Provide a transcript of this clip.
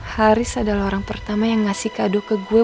haris adalah orang pertama yang ngasih kado ke gue